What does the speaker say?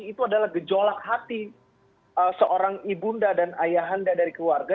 itu adalah gejolak hati seorang ibunda dan ayahanda dari keluarga